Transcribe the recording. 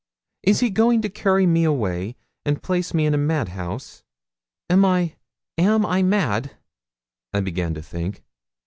Is he going to carry me away and place me in a madhouse?' 'Am I am I mad?' I began to think.